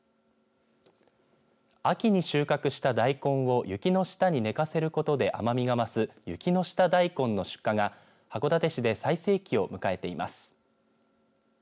秋に収穫した大根を雪の下に寝かせることで甘みが増す雪の下大根の出荷が函館市で最盛期を迎えています。